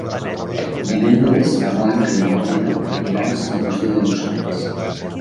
Divendres na Blanca i na Lea aniran a Sant Agustí de Lluçanès.